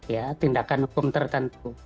ya tindakan hukum tertentu